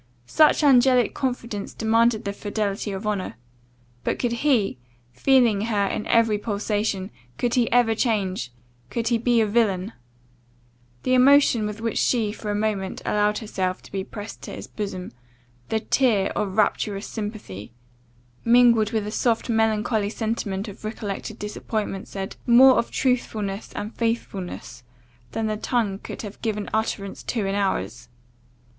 Such angelic confidence demanded the fidelity of honour; but could he, feeling her in every pulsation, could he ever change, could he be a villain? The emotion with which she, for a moment, allowed herself to be pressed to his bosom, the tear of rapturous sympathy, mingled with a soft melancholy sentiment of recollected disappointment, said more of truth and faithfulness, than the tongue could have given utterance to in hours!